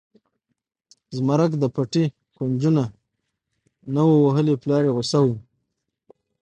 زمرک د پټي کونجونه نه و وهلي پلار یې غوسه و.